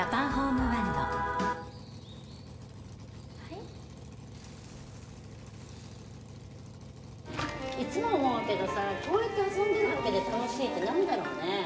いつも思うけどさこうやって遊んでいるだけで楽しいってなんだろうね？